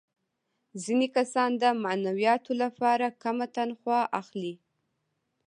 ځینې کسان د معنویاتو لپاره کمه تنخوا اخلي